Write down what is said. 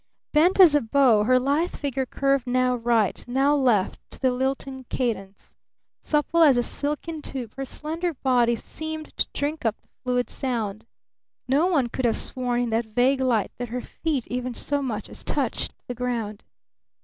Bent as a bow her lithe figure curved now right, now left, to the lilting cadence. Supple as a silken tube her slender body seemed to drink up the fluid sound. No one could have sworn in that vague light that her feet even so much as touched the ground.